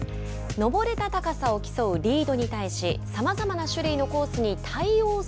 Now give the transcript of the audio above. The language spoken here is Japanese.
登れた高さを競うリードに対しさまざまな種類のコースに対応す